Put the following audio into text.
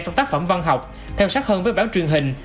trong tác phẩm văn học theo sát hơn với báo truyền hình